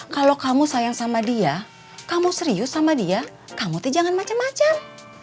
kalau kamu sayang sama dia kamu serius sama dia kamu jangan macam macam